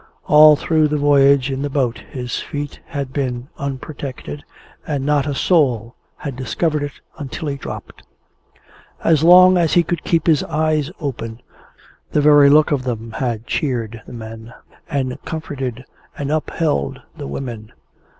All through the voyage in the boat his feet had been unprotected; and not a soul had discovered it until he dropped! As long as he could keep his eyes open, the very look of them had cheered the men, and comforted and upheld the women.